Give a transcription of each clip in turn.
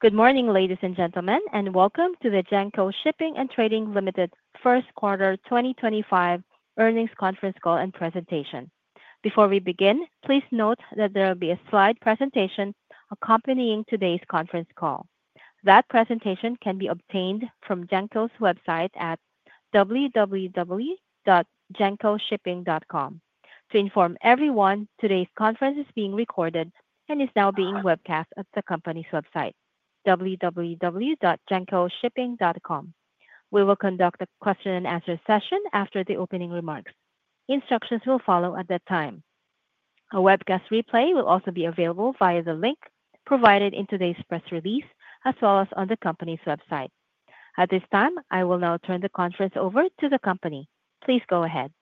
Good morning, ladies and gentlemen, and welcome to the Genco Shipping & Trading Limited first quarter 2025 earnings conference call and presentation. Before we begin, please note that there will be a slide presentation accompanying today's conference call. That presentation can be obtained from Genco's website at www.gencoshipping.com. To inform everyone, today's conference is being recorded and is now being webcast at the company's website, www.gencoshipping.com. We will conduct a question-and-answer session after the opening remarks. Instructions will follow at that time. A webcast replay will also be available via the link provided in today's press release, as well as on the company's website. At this time, I will now turn the conference over to the company. Please go ahead.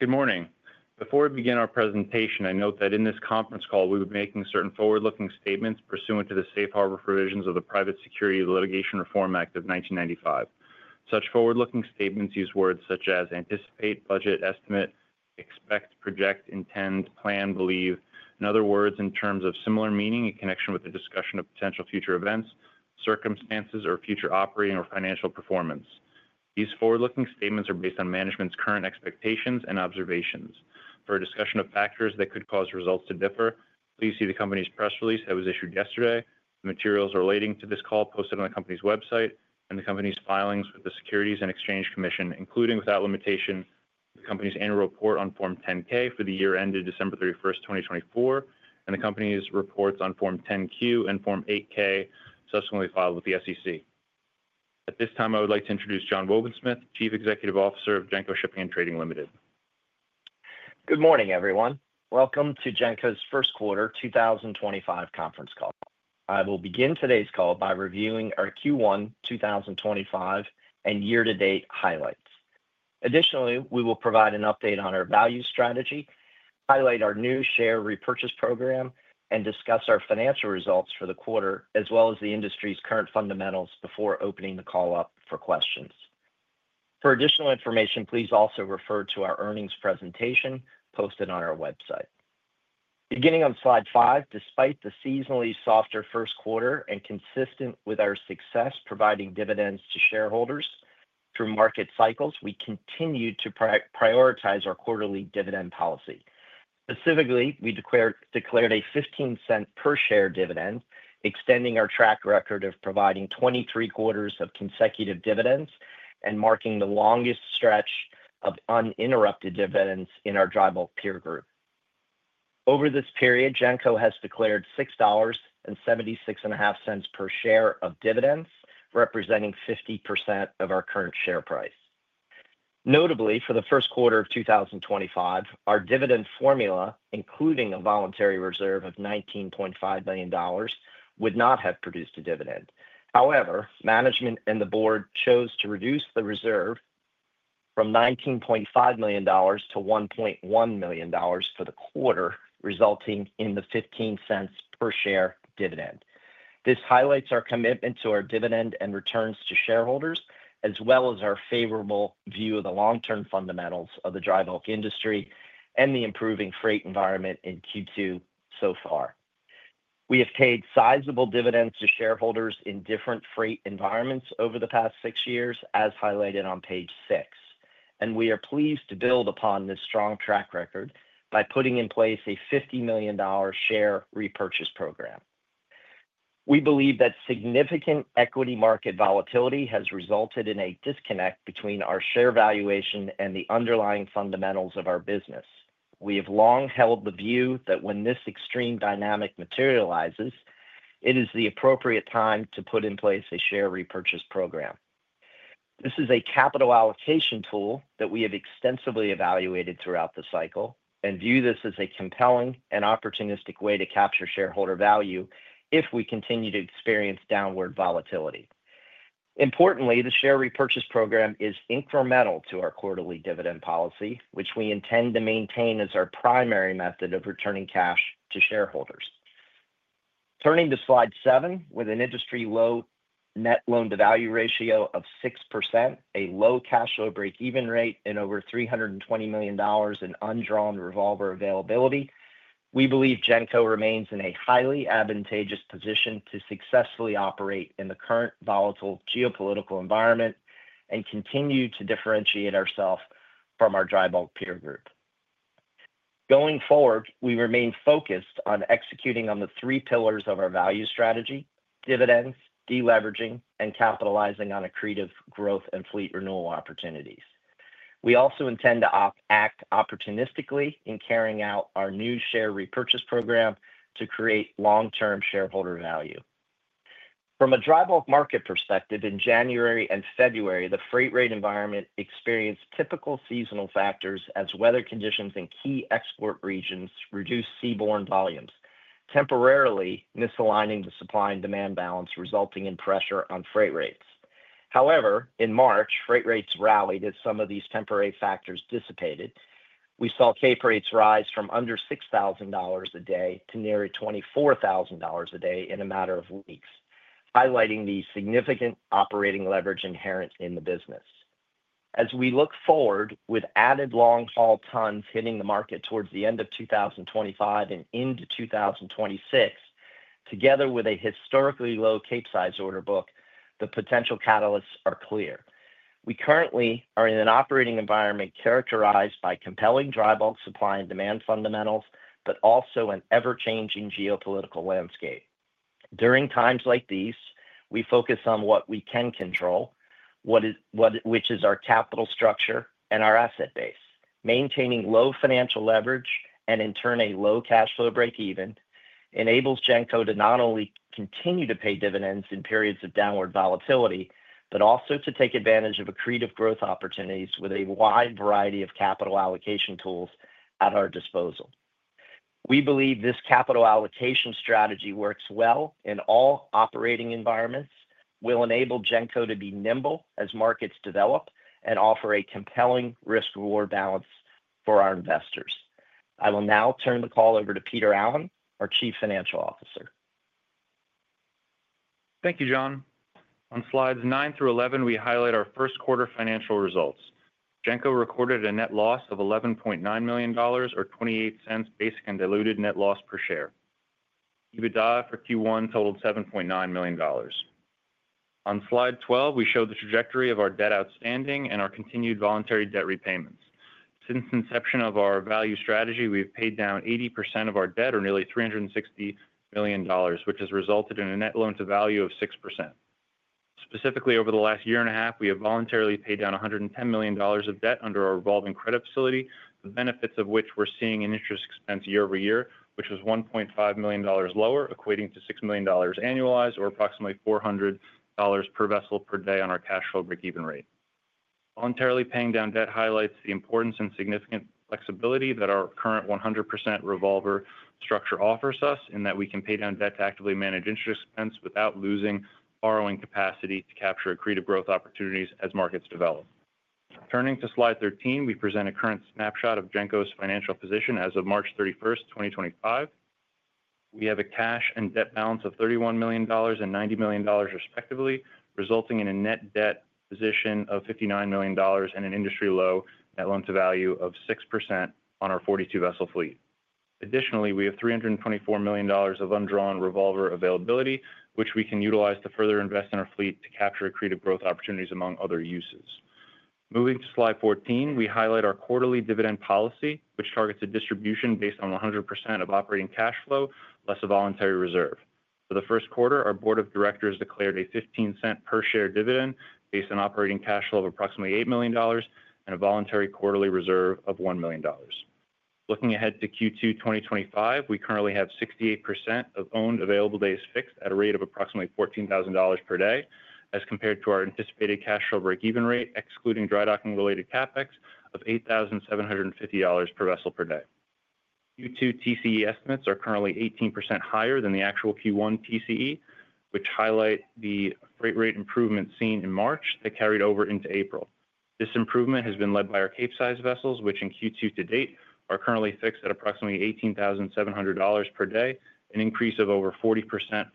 Good morning. Before we begin our presentation, I note that in this conference call we will be making certain forward-looking statements pursuant to the Safe Harbor Provisions of the Private Securities Litigation Reform Act of 1995. Such forward-looking statements use words such as anticipate, budget, estimate, expect, project, intend, plan, believe, in other words, in terms of similar meaning in connection with the discussion of potential future events, circumstances, or future operating or financial performance. These forward-looking statements are based on management's current expectations and observations. For a discussion of factors that could cause results to differ, please see the company's press release that was issued yesterday, the materials relating to this call posted on the company's website, and the company's filings with the Securities and Exchange Commission, including without limitation, the company's annual report on Form 10-K for the year ended December 31st, 2024, and the company's reports on Form 10-Q and Form 8-K subsequently filed with the SEC. At this time, I would like to introduce John Wobensmith, Chief Executive Officer of Genco Shipping & Trading Limited. Good morning, everyone. Welcome to Genco's first quarter 2025 conference call. I will begin today's call by reviewing our Q1 2025 and year-to-date highlights. Additionally, we will provide an update on our value strategy, highlight our new share repurchase program, and discuss our financial results for the quarter, as well as the industry's current fundamentals before opening the call up for questions. For additional information, please also refer to our earnings presentation posted on our website. Beginning on slide five, despite the seasonally softer first quarter and consistent with our success providing dividends to shareholders through market cycles, we continue to prioritize our quarterly dividend policy. Specifically, we declared a $0.15 per share dividend, extending our track record of providing 23 quarters of consecutive dividends and marking the longest stretch of uninterrupted dividends in our drybulk peer group. Over this period, Genco has declared $6.765 per share of dividends, representing 50% of our current share price. Notably, for the first quarter of 2025, our dividend formula, including a voluntary reserve of $19.5 million, would not have produced a dividend. However, management and the board chose to reduce the reserve from $19.5 million-$1.1 million for the quarter, resulting in the $0.15 per share dividend. This highlights our commitment to our dividend and returns to shareholders, as well as our favorable view of the long-term fundamentals of the drybulk industry and the improving freight environment in Q2 so far. We have paid sizable dividends to shareholders in different freight environments over the past six years, as highlighted on page six, and we are pleased to build upon this strong track record by putting in place a $50 million share repurchase program. We believe that significant equity market volatility has resulted in a disconnect between our share valuation and the underlying fundamentals of our business. We have long held the view that when this extreme dynamic materializes, it is the appropriate time to put in place a share repurchase program. This is a capital allocation tool that we have extensively evaluated throughout the cycle and view this as a compelling and opportunistic way to capture shareholder value if we continue to experience downward volatility. Importantly, the share repurchase program is incremental to our quarterly dividend policy, which we intend to maintain as our primary method of returning cash to shareholders. Turning to slide seven, with an industry low net loan-to-value ratio of 6%, a low cash over break-even rate, and over $320 million in undrawn revolver availability, we believe Genco remains in a highly advantageous position to successfully operate in the current volatile geopolitical environment and continue to differentiate ourselves from our drybulk peer group. Going forward, we remain focused on executing on the three pillars of our value strategy: dividends, deleveraging, and capitalizing on accretive growth and fleet renewal opportunities. We also intend to act opportunistically in carrying out our new share repurchase program to create long-term shareholder value. From a drybulk market perspective, in January and February, the freight rate environment experienced typical seasonal factors as weather conditions in key export regions reduced seaborne volumes, temporarily misaligning the supply and demand balance, resulting in pressure on freight rates. However, in March, freight rates rallied as some of these temporary factors dissipated. We saw cape rates rise from under $6,000 a day to near $24,000 a day in a matter of weeks, highlighting the significant operating leverage inherent in the business. As we look forward, with added long-haul tons hitting the market towards the end of 2025 and into 2026, together with a historically low Capesize order book, the potential catalysts are clear. We currently are in an operating environment characterized by compelling drybulk supply and demand fundamentals, but also an ever-changing geopolitical landscape. During times like these, we focus on what we can control, which is our capital structure and our asset base. Maintaining low financial leverage and, in turn, a low cash flow break-even enables Genco to not only continue to pay dividends in periods of downward volatility, but also to take advantage of accretive growth opportunities with a wide variety of capital allocation tools at our disposal. We believe this capital allocation strategy works well in all operating environments, will enable Genco to be nimble as markets develop, and offer a compelling risk-reward balance for our investors. I will now turn the call over to Peter Allen, our Chief Financial Officer. Thank you, John. On slides nine through 11, we highlight our first quarter financial results. Genco recorded a net loss of $11.9 million, or $0.28 basic and diluted net loss per share. EBITDA for Q1 totaled $7.9 million. On slide 12, we show the trajectory of our debt outstanding and our continued voluntary debt repayments. Since the inception of our value strategy, we have paid down 80% of our debt, or nearly $360 million, which has resulted in a net loan-to-value of 6%. Specifically, over the last year and a half, we have voluntarily paid down $110 million of debt under our revolving credit facility, the benefits of which we're seeing in interest expense year-over-year, which was $1.5 million lower, equating to $6 million annualized, or approximately $400 per vessel per day on our cash flow break-even rate. Voluntarily paying down debt highlights the importance and significant flexibility that our current 100% revolver structure offers us, in that we can pay down debt to actively manage interest expense without losing borrowing capacity to capture accretive growth opportunities as markets develop. Turning to slide 13, we present a current snapshot of Genco's financial position as of March 31, 2025. We have a cash and debt balance of $31 million and $90 million, respectively, resulting in a net debt position of $59 million and an industry low net loan-to-value of 6% on our 42-vessel fleet. Additionally, we have $324 million of undrawn revolver availability, which we can utilize to further invest in our fleet to capture accretive growth opportunities among other uses. Moving to slide 14, we highlight our quarterly dividend policy, which targets a distribution based on 100% of operating cash flow, less a voluntary reserve. For the first quarter, our board of directors declared a $0.15 per share dividend based on operating cash flow of approximately $8 million and a voluntary quarterly reserve of $1 million. Looking ahead to Q2 2025, we currently have 68% of owned available days fixed at a rate of approximately $14,000 per day, as compared to our anticipated cash flow break-even rate, excluding drydocking-related CapEx, of $8,750 per vessel per day. Q2 TCE estimates are currently 18% higher than the actual Q1 TCE, which highlight the freight rate improvement seen in March that carried over into April. This improvement has been led by our Capesize vessels, which in Q2 to date are currently fixed at approximately $18,700 per day, an increase of over 40%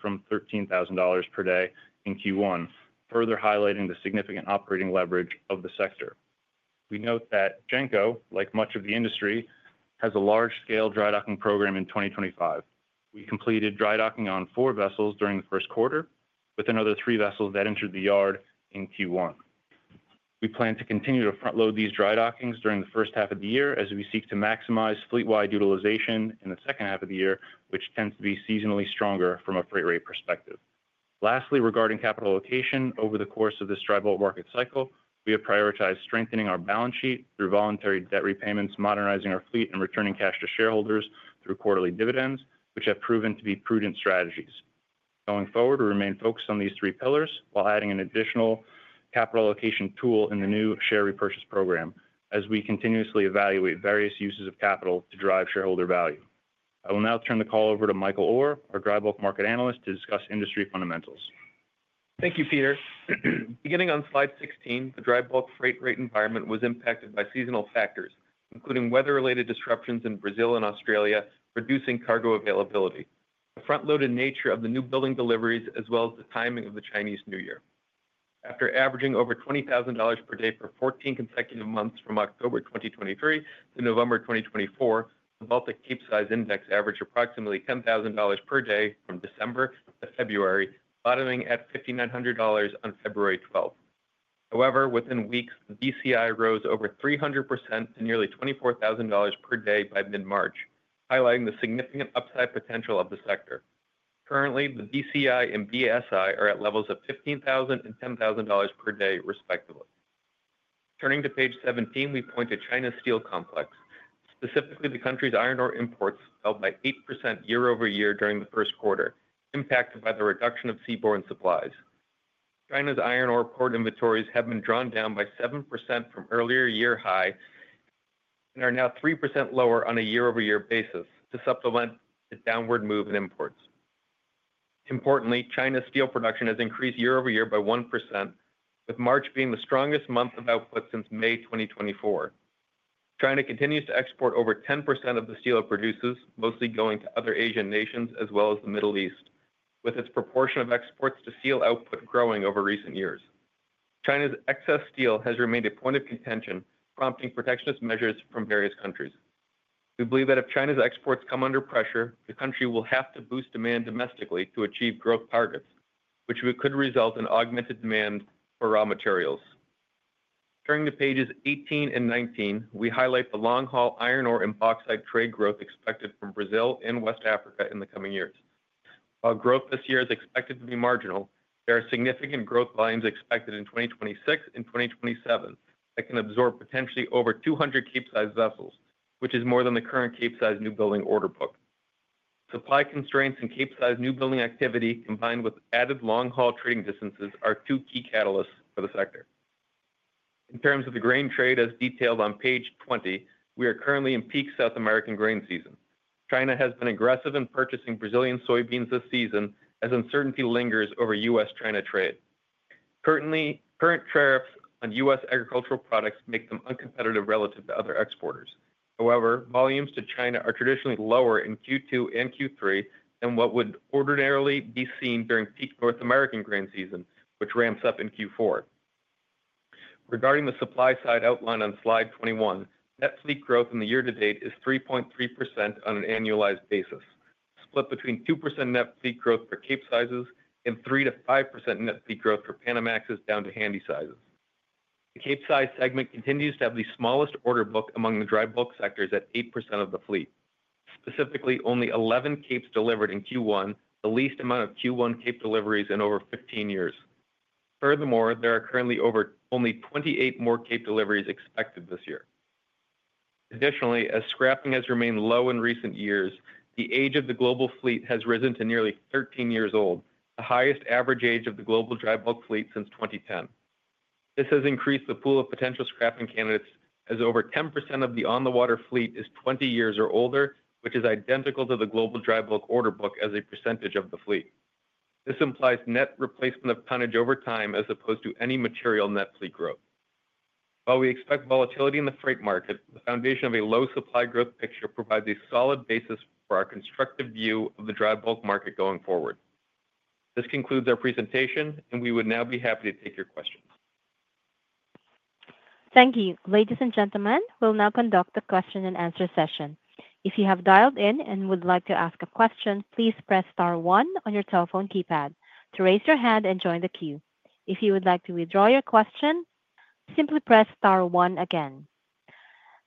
from $13,000 per day in Q1, further highlighting the significant operating leverage of the sector. We note that Genco, like much of the industry, has a large-scale drydocking program in 2025. We completed drydocking on four vessels during the first quarter, with another three vessels that entered the yard in Q1. We plan to continue to front-load these drydockings during the first half of the year, as we seek to maximize fleet-wide utilization in the second half of the year, which tends to be seasonally stronger from a freight rate perspective. Lastly, regarding capital allocation, over the course of this drybulk market cycle, we have prioritized strengthening our balance sheet through voluntary debt repayments, modernizing our fleet, and returning cash to shareholders through quarterly dividends, which have proven to be prudent strategies. Going forward, we remain focused on these three pillars while adding an additional capital allocation tool in the new share repurchase program, as we continuously evaluate various uses of capital to drive shareholder value. I will now turn the call over to Michael Orr, our Drybulk Market Analyst, to discuss industry fundamentals. Thank you, Peter. Beginning on slide 16, the drybulk freight rate environment was impacted by seasonal factors, including weather-related disruptions in Brazil and Australia, reducing cargo availability, the front-loaded nature of the new building deliveries, as well as the timing of the Chinese New Year. After averaging over $20,000 per day for 14 consecutive months from October 2023 to November 2024, the Baltic Capesize Index averaged approximately $10,000 per day from December to February, bottoming at $5,900 on February 12th. However, within weeks, the BCI rose over 300% to nearly $24,000 per day by mid-March, highlighting the significant upside potential of the sector. Currently, the BCI and BSI are at levels of $15,000 and $10,000 per day, respectively. Turning to page 17, we point to China's steel complex, specifically the country's iron ore imports, fell by 8% year-over-year during the first quarter, impacted by the reduction of seaborne supplies. China's iron ore port inventories have been drawn down by 7% from earlier year high and are now 3% lower on a year-over-year basis to supplement the downward move in imports. Importantly, China's steel production has increased year-over-year by 1%, with March being the strongest month of output since May 2024. China continues to export over 10% of the steel it produces, mostly going to other Asian nations as well as the Middle East, with its proportion of exports to steel output growing over recent years. China's excess steel has remained a point of contention, prompting protectionist measures from various countries. We believe that if China's exports come under pressure, the country will have to boost demand domestically to achieve growth targets, which could result in augmented demand for raw materials. Turning to pages 18 and 19, we highlight the long-haul iron ore and bauxite trade growth expected from Brazil and West Africa in the coming years. While growth this year is expected to be marginal, there are significant growth volumes expected in 2026 and 2027 that can absorb potentially over 200 Capesize vessels, which is more than the current Capesize new building order book. Supply constraints and Capesize new building activity, combined with added long-haul trading distances, are two key catalysts for the sector. In terms of the grain trade, as detailed on page 20, we are currently in peak South American grain season. China has been aggressive in purchasing Brazilian soybeans this season, as uncertainty lingers over U.S.-China trade. Currently, tariffs on U.S. agricultural products make them uncompetitive relative to other exporters. However, volumes to China are traditionally lower in Q2 and Q3 than what would ordinarily be seen during peak North American grain season, which ramps up in Q4. Regarding the supply side outline on slide 21, net fleet growth in the year to date is 3.3% on an annualized basis, split between 2% net fleet growth for Capesizes and 3%-5% net fleet growth for Panamaxes down to handy sizes. The Capesize segment continues to have the smallest order book among the drybulk sectors at 8% of the fleet, specifically only 11 capes delivered in Q1, the least amount of Q1 cape deliveries in over 15 years. Furthermore, there are currently only 28 more cape deliveries expected this year. Additionally, as scrapping has remained low in recent years, the age of the global fleet has risen to nearly 13 years old, the highest average age of the global drybulk fleet since 2010. This has increased the pool of potential scrapping candidates, as over 10% of the on-the-water fleet is 20 years or older, which is identical to the global drybulk order book as a percentage of the fleet. This implies net replacement of tonnage over time as opposed to any material net fleet growth. While we expect volatility in the freight market, the foundation of a low supply growth picture provides a solid basis for our constructive view of the drybulk market going forward. This concludes our presentation, and we would now be happy to take your questions. Thank you. Ladies and gentlemen, we will now conduct the question-and-answer session. If you have dialed in and would like to ask a question, please press star one on your telephone keypad to raise your hand and join the queue. If you would like to withdraw your question, simply press star one again.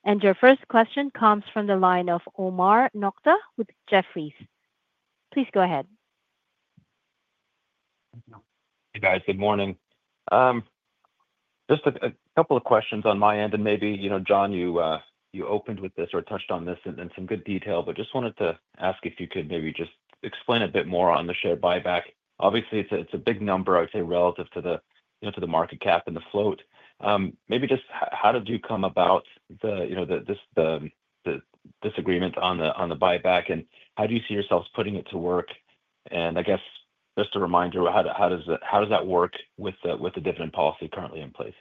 Your first question comes from the line of Omar Nokta with Jefferies. Please go ahead. Hey, guys. Good morning. Just a couple of questions on my end, and maybe, you know, John, you opened with this or touched on this in some good detail, but just wanted to ask if you could maybe just explain a bit more on the share buyback. Obviously, it's a big number, I would say, relative to the market cap and the float. Maybe just how did you come about the disagreement on the buyback, and how do you see yourselves putting it to work? I guess just a reminder, how does that work with the dividend policy currently in place?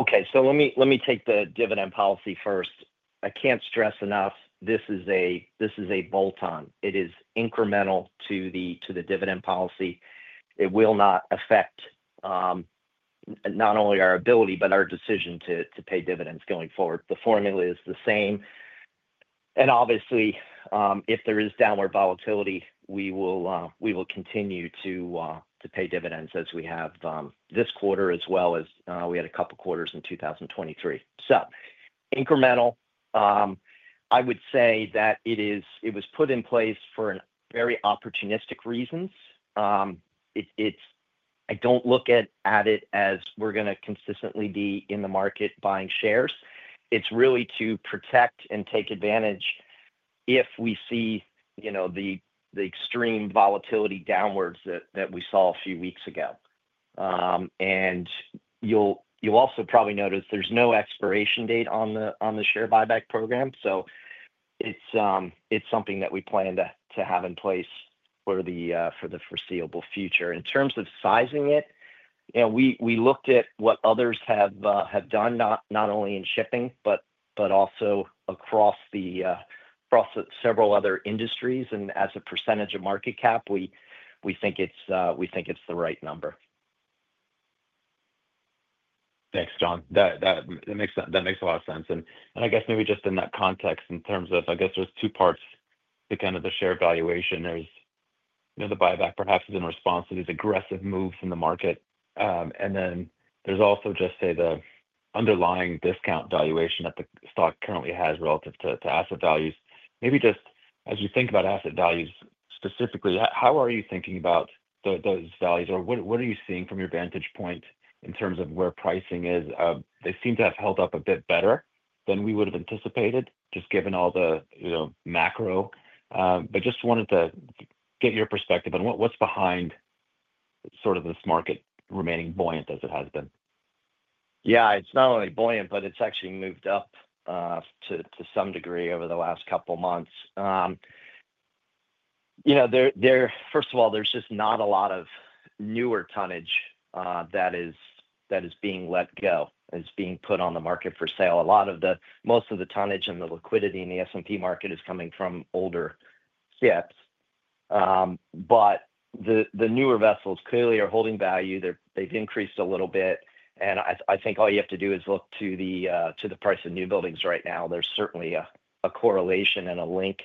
Okay. Let me take the dividend policy first. I cannot stress enough this is a bolt-on. It is incremental to the dividend policy. It will not affect not only our ability but our decision to pay dividends going forward. The formula is the same. Obviously, if there is downward volatility, we will continue to pay dividends as we have this quarter, as well as we had a couple of quarters in 2023. Incremental. I would say that it was put in place for very opportunistic reasons. I do not look at it as we are going to consistently be in the market buying shares. It is really to protect and take advantage if we see the extreme volatility downwards that we saw a few weeks ago. You'll also probably notice there's no expiration date on the share buyback program, so it's something that we plan to have in place for the foreseeable future. In terms of sizing it, we looked at what others have done, not only in shipping but also across several other industries, and as a percentage of market cap, we think it's the right number. Thanks, John. That makes a lot of sense. I guess maybe just in that context, in terms of, I guess there are two parts to kind of the share valuation. There is the buyback, perhaps in response to these aggressive moves in the market. Then there is also just, say, the underlying discount valuation that the stock currently has relative to asset values. Maybe just as you think about asset values specifically, how are you thinking about those values, or what are you seeing from your vantage point in terms of where pricing is? They seem to have held up a bit better than we would have anticipated, just given all the macro. I just wanted to get your perspective on what is behind sort of this market remaining buoyant as it has been. Yeah. It's not only buoyant, but it's actually moved up to some degree over the last couple of months. You know, first of all, there's just not a lot of newer tonnage that is being let go, that is being put on the market for sale. A lot of the, most of the tonnage and the liquidity in the S&P market is coming from older ships. But the newer vessels clearly are holding value. They've increased a little bit. I think all you have to do is look to the price of new buildings right now. There's certainly a correlation and a link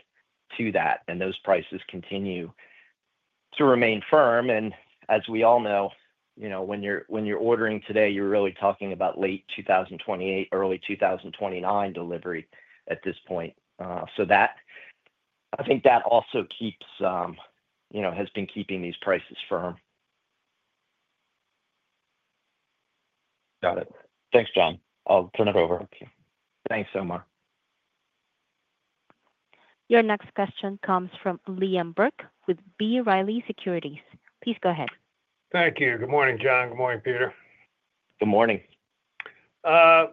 to that, and those prices continue to remain firm. As we all know, when you're ordering today, you're really talking about late 2028, early 2029 delivery at this point. I think that also keeps, has been keeping these prices firm. Got it. Thanks, John. I'll turn it over. Thanks, Omar. Your next question comes from Liam Burke with B. Riley Securities. Please go ahead. Thank you. Good morning, John. Good morning, Peter. Good morning. The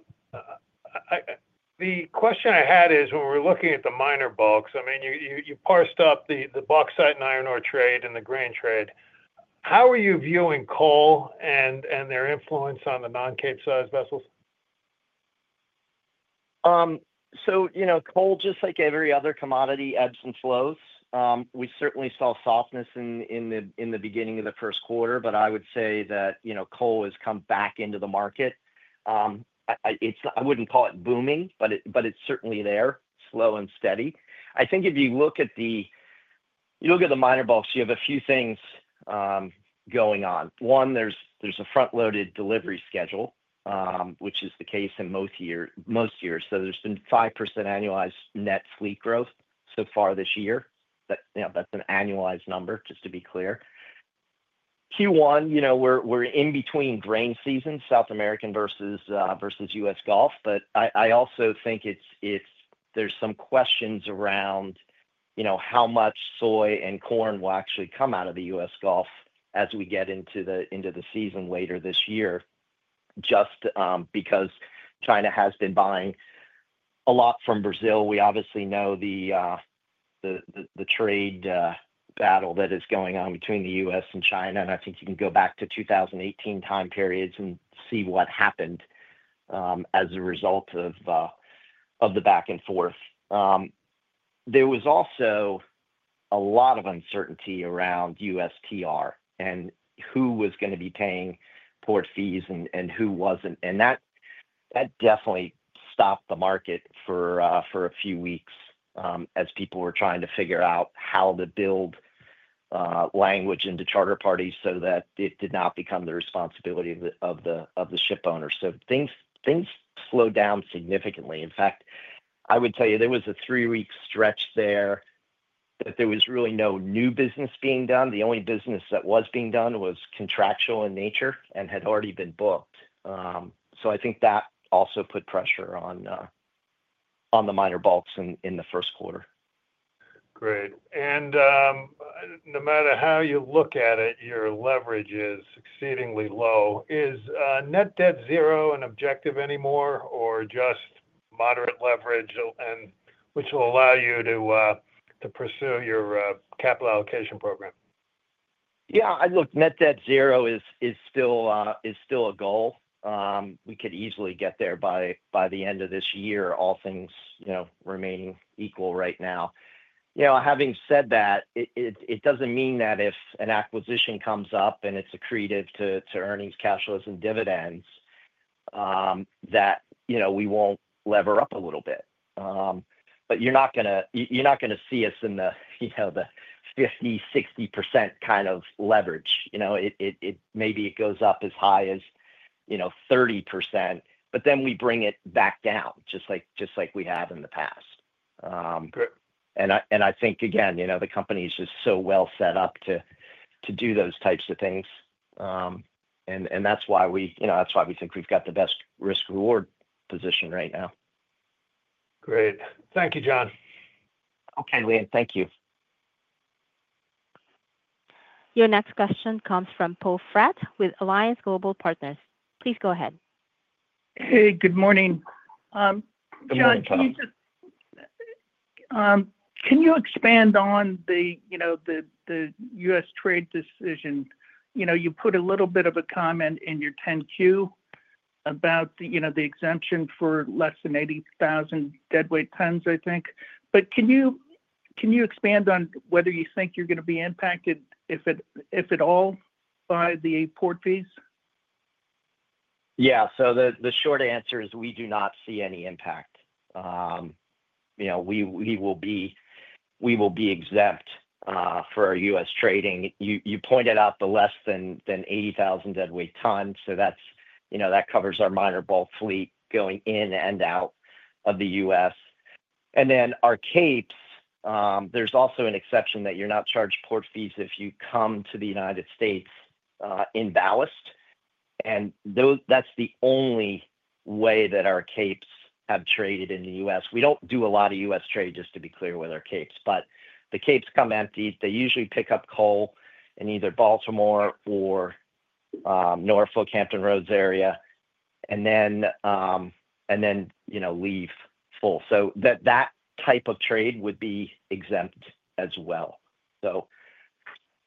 question I had is, when we're looking at the minor bulks, I mean, you parsed up the bauxite and iron ore trade and the grain trade. How are you viewing coal and their influence on the non-Capesize vessels? You know, coal, just like every other commodity, ebbs and flows. We certainly saw softness in the beginning of the first quarter, but I would say that coal has come back into the market. I would not call it booming, but it is certainly there, slow and steady. I think if you look at the minor bulks, you have a few things going on. One, there is a front-loaded delivery schedule, which is the case in most years. There has been 5% annualized net fleet growth so far this year. That is an annualized number, just to be clear. Q1, you know, we are in between grain season, South America versus U.S. Gulf, but I also think there are some questions around how much soy and corn will actually come out of the U.S. Gulf as we get into the season later this year, just because China has been buying a lot from Brazil. We obviously know the trade battle that is going on between the U.S. and China, and I think you can go back to 2018 time periods and see what happened as a result of the back and forth. There was also a lot of uncertainty around USTR and who was going to be paying port fees and who was not. That definitely stopped the market for a few weeks as people were trying to figure out how to build language into charter parties so that it did not become the responsibility of the ship owner. Things slowed down significantly. In fact, I would tell you there was a three-week stretch there that there was really no new business being done. The only business that was being done was contractual in nature and had already been booked. I think that also put pressure on the minor bulks in the first quarter. Great. No matter how you look at it, your leverage is exceedingly low. Is net debt zero an objective anymore, or just moderate leverage, which will allow you to pursue your capital allocation program? Yeah. Look, net debt zero is still a goal. We could easily get there by the end of this year, all things remaining equal right now. You know, having said that, it does not mean that if an acquisition comes up and it is accretive to earnings, cash flows, and dividends, that we will not lever up a little bit. You are not going to see us in the 50%-60% kind of leverage. You know, maybe it goes up as high as 30%, but then we bring it back down, just like we have in the past. I think, again, you know, the company is just so well set up to do those types of things. That is why we think we have got the best risk-reward position right now. Great. Thank you, John. Okay, Liam. Thank you. Your next question comes from Poe Fratt with Alliance Global Partners. Please go ahead. Hey, good morning. Good morning, Poe. John, can you expand on the U.S. trade decision? You put a little bit of a comment in your 10-Q about the exemption for less than 80,000 deadweight tons, I think. Can you expand on whether you think you're going to be impacted, if at all, by the port fees? Yeah. So the short answer is we do not see any impact. We will be exempt for our U.S. trading. You pointed out the less than 80,000 deadweight tons, so that covers our minor bulk fleet going in and out of the U.S. And then our capes, there's also an exception that you're not charged port fees if you come to the U.S. in ballast. And that's the only way that our capes have traded in the U.S. We don't do a lot of U.S. trade, just to be clear with our capes. But the capes come empty. They usually pick up coal in either Baltimore or Norfolk, Hampton Roads area, and then leave full. That type of trade would be exempt as well.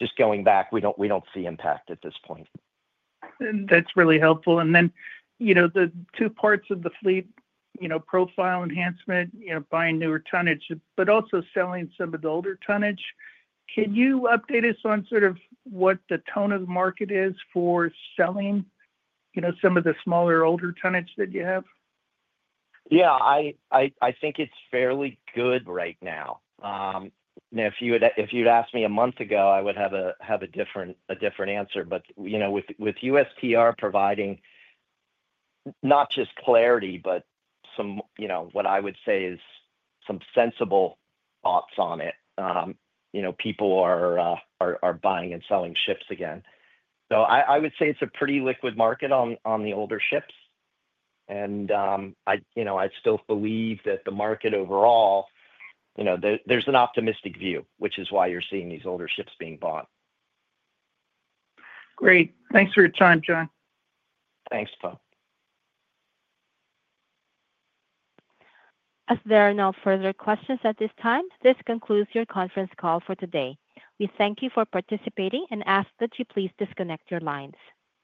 Just going back, we don't see impact at this point. That's really helpful. The two parts of the fleet profile enhancement, buying newer tonnage, but also selling some of the older tonnage. Can you update us on sort of what the tone of the market is for selling some of the smaller older tonnage that you have? Yeah. I think it's fairly good right now. If you'd asked me a month ago, I would have a different answer. With USTR providing not just clarity, but what I would say is some sensible thoughts on it, people are buying and selling ships again. I would say it's a pretty liquid market on the older ships. I still believe that the market overall, there's an optimistic view, which is why you're seeing these older ships being bought. Great. Thanks for your time, John. Thanks, Poe. As there are no further questions at this time, this concludes your conference call for today. We thank you for participating and ask that you please disconnect your lines.